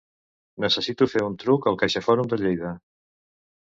Necessito fer un truc al CaixaForum de Lleida.